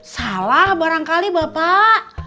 salah barangkali bapak